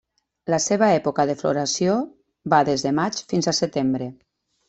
La seva època de floració va des de maig fins a setembre.